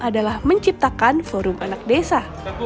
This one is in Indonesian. adalah menciptakan forum anak desa